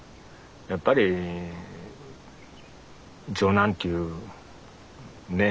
やっぱり長男っていうね